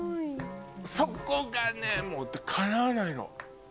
そこがねもうかなわないの。